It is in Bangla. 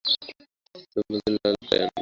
তুমি বলেছিলে লাল টাই আনবে।